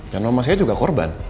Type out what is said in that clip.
dan nama saya juga korban